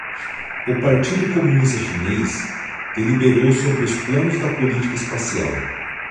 O Partido Comunista Chinês deliberou sobre os planos da política espacial